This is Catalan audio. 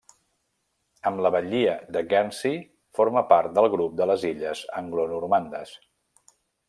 Amb la Batllia de Guernsey forma part del grup de les Illes Anglonormandes.